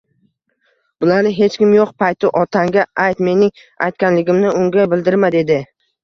«Bularni hech kim yo'q payti otangga ayt, mening aytganligimni unga bildirma», — dedi.